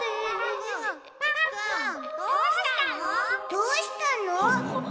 どうしたの？